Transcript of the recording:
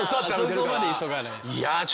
あそこまで急がない。